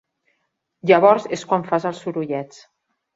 Llavors és quan fas els sorollets.